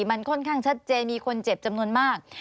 มันค่อนข้างชัดเจนมีคนเจ็บจำนวนมาก